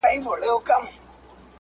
نو نن باید د هغه پرځای زه اوسم